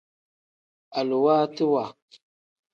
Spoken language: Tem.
Aluwaatiwa.